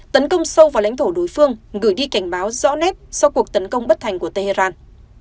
tấn công sâu vào lãnh thổ đối phương gửi đi cảnh báo rõ nét sau cuộc tấn công bất thành của tehran